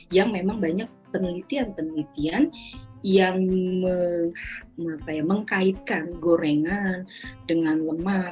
yang memang banyak penelitian penelitian yang mengkaitkan gorengan dengan lemak